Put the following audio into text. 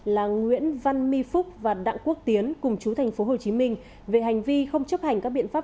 là nguyễn văn mi phúc và đặng quốc tiến cùng chú tp hcm về hành vi không chấp hành các biện pháp